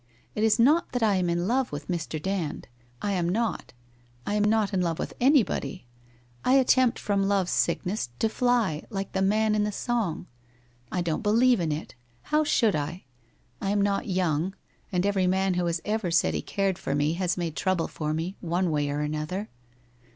It is not that I am in love with Mr. Dand. I am not. I am not in love with anybody. I attempt from Love's sickness to fly, like the man in the song. I don't believe in it. How should I? I am not young, and every man who has ever said he cared for me has made trouble for me, one way or another.